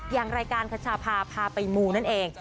อย่างรายการคชาพาพาไปมูนั่นเอง